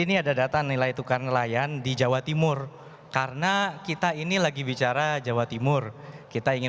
ini ada data nilai tukar nelayan di jawa timur karena kita ini lagi bicara jawa timur kita ingin